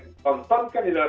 ditontonkan di dalam